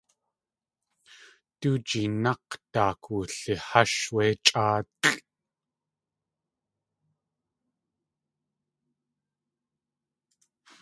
Du jinák̲ daak wulihásh wé chʼáalʼ.